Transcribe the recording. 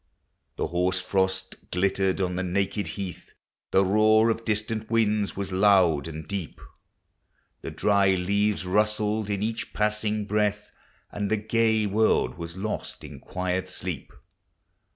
The hoar frost glittered on the aaked ueath, The roar of distant winds w;is loud and deep, 184 POEMS OF NATURE. The dry leaves rustled in each passing breath, And the gay world was lost in quiet sleep.